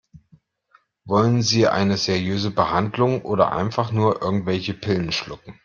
Wollen Sie eine seriöse Behandlung oder einfach nur irgendwelche Pillen schlucken?